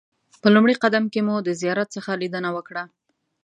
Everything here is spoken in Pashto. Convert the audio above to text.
په لومړي قدم کې مو د زیارت څخه لیدنه وکړه.